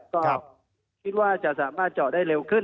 ก็คิดว่าจะสามารถเจาะได้เร็วขึ้น